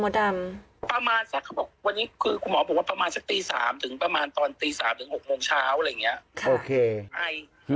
ค่ะใช่ค่ะค่ะค่ะค่ะค่ะค่ะค่ะค่ะ